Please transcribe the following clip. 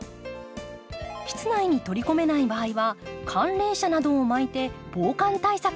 室内に取り込めない場合は寒冷紗などを巻いて防寒対策を。